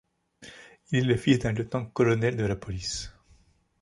Il est le fils d'un lieutenant-colonel de la police.